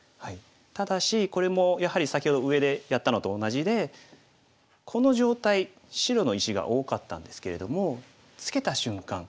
ただしこれもやはり先ほど上でやったのと同じでこの状態白の石が多かったんですけれどもツケた瞬間